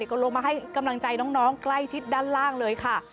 ก็ลงมาให้กำลังใจน้องใกล้ชิดด้านล่างเลยค่ะ